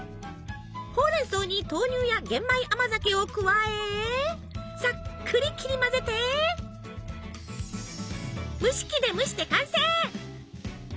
ほうれん草に豆乳や玄米甘酒を加えさっくり切り混ぜて蒸し器で蒸して完成！